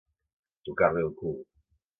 Tocar-li el cul.